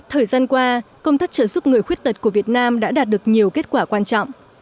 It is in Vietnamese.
thời gian qua công tác trợ giúp người khuyết tật của việt nam đã đạt được nhiều kết quả quan trọng